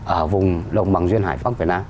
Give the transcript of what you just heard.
ở vùng đồng bằng duyên hải pháp việt nam